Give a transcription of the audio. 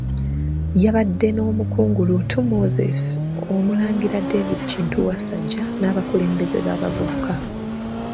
Yabadde n'Omukungu Luutu Moses, Omulangira David Kintu Wasajja n'abakulembeze b'abavubuka.